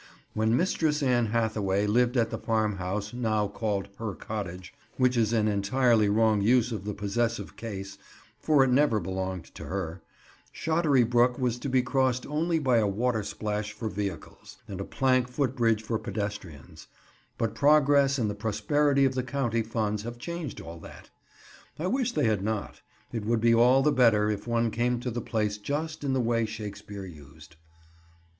When Mistress Anne Hathaway lived at the farmhouse now called her cottage—which is an entirely wrong use of the possessive case, for it never belonged to her—Shottery Brook was to be crossed only by a watersplash for vehicles, and a plank footbridge for pedestrians; but progress and the prosperity of the county funds have changed all that. I wish they had not: it would be all the better if one came to the place just in the way Shakespeare used.